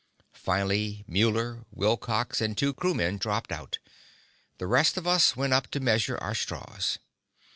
Finally, Muller, Wilcox, and two crewmen dropped out. The rest of us went up to measure our straws.